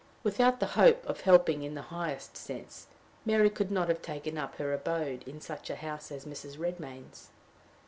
Without the hope of helping in the highest sense, Mary could not have taken up her abode in such a house as Mrs. Redmain's.